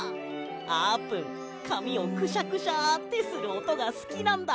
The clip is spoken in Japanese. あーぷんかみをクシャクシャってするおとがすきなんだ。